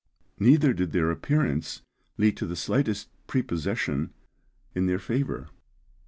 Neither did their appearance lead to the slightest prepossession in their favour.